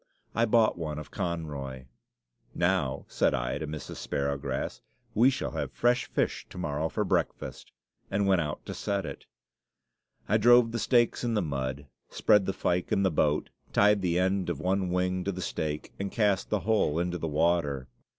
I bought one of Conroy. "Now," said I to Mrs. Sparrowgrass, "we shall have fresh fish to morrow for breakfast," and went out to set it. I drove the stakes in the mud, spread the fyke in the boat, tied the end of one wing to the stake, and cast the whole into the water.